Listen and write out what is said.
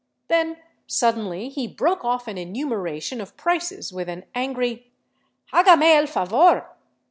Then suddenly he broke off an enumeration of prices with a'n angry: " Ilagame el favor!"